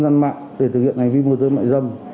gian mạng để thực hiện hành vi môi giới mại dâm